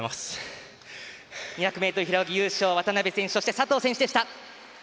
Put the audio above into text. ２００ｍ平泳ぎ優勝、渡辺選手そして佐藤選手でした。